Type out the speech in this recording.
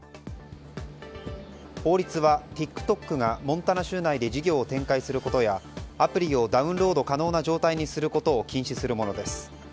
法律はＴｉｋＴｏｋがモンタナ州内で事業を展開することやアプリをダウンロード可能な状態にすることを禁止するものです。